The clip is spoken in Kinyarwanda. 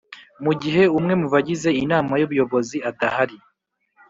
Mu gihe umwe mu bagize Inama y ‘ubuyobozi adahari